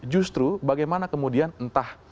justru bagaimana kemudian entah